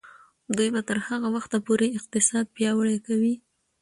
دوی به تر هغه وخته پورې اقتصاد پیاوړی کوي.